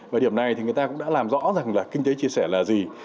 và điểm này thì người ta cũng đã làm rõ rằng là kinh tế chia sẻ là gì